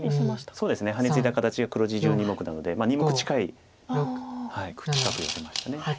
そうですねハネツイだ形が黒地１２目なので２目近い近くヨセました。